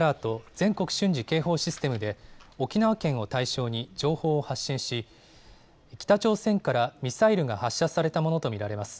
・全国瞬時警報システムで沖縄県を対象に情報を発信し、北朝鮮からミサイルが発射されたものと見られます。